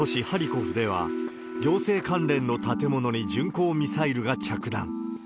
ハリコフでは、行政関連の建物に巡航ミサイルが着弾。